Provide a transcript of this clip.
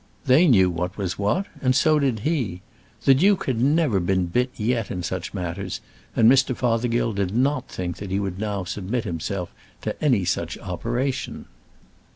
They knew what was what, and so did he. The duke had never been bit yet in such matters, and Mr. Fothergill did not think that he would now submit himself to any such operation.